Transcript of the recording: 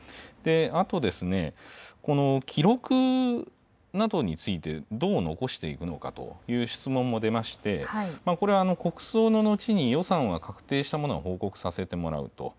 あと、この記録などについて、どう残していくのかという質問も出まして、これ、国葬の後に予算は確定したものを報告させてもらうと。